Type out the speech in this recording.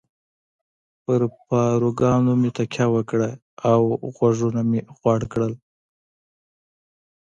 پر پاروګانو مې تکیه وکړه او غوږونه مې غوړ کړل.